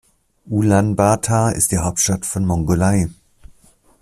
Ulaanbaatar ist die Hauptstadt von Mongolei.